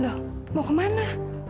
loh mau ke mana